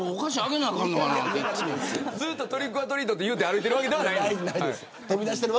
ずっとトリックオアトリートと言って歩いてるわけじゃない。